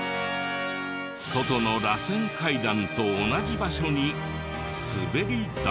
外のらせん階段と同じ場所に滑り台。